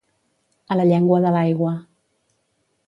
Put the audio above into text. A la llengua de l'aigua.